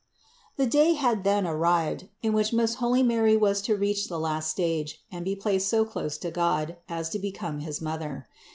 100. The day had then arrived, in which most holy Mary was to reach the last stage and be placed so close to God, as to become his Mother.